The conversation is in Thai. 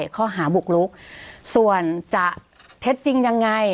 ข้อหาบุกลุกส่วนจะเท็จจริงยังไง